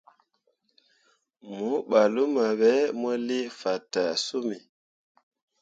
Mo ɓah luma ɓe, mu lii fataa summi.